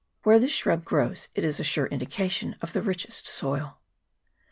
Where this shrub grows it is a sure indication of the richest soil.